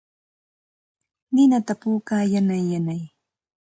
Ninata puukaa yanay yanay.